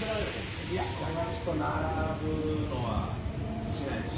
いや俺はちょっと並ぶのはしないですね。